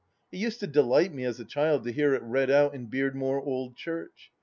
It used to delight me as a child to hear it read out in Beardmore Old Church.